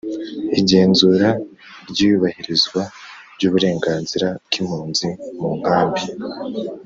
Igenzura ry iyubahirizwa ry uburenganzira bw impunzi mu nkambi